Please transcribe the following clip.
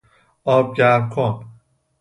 آب گرم کن